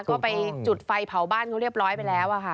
ก็ไปจุดไฟเผาบ้านเขาเรียบร้อยไปแล้วค่ะ